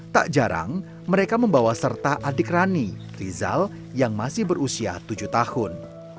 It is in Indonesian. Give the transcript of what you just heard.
tak jarang mereka membawa serta adik rani rizal yang masih berusia tujuh tahun